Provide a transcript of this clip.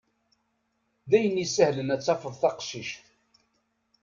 Dayen isehlen ad tafeḍ taqcict.